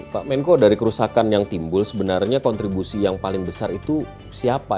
pak menko dari kerusakan yang timbul sebenarnya kontribusi yang paling besar itu siapa